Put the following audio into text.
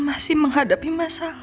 masih menghadapi masalah